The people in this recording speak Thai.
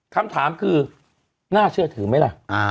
คำถามคือน่าเชื่อถือไหมล่ะ